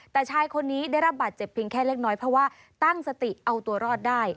แต่ชายคนนี้ได้รับบาดเจ็บเพียงแค่เล็กน้อยเพราะว่าตั้งสติเอาตัวรอดได้